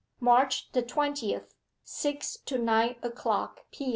2. MARCH THE TWENTIETH. SIX TO NINE O'CLOCK P.